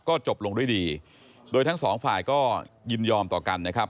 ก็จบลงด้วยดีโดยทั้งสองฝ่ายก็ยินยอมต่อกันนะครับ